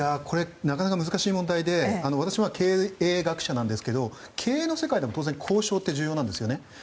これはなかなか難しい問題で私は経営学者なんですが経営の世界でも当然、交渉って重要なんですね。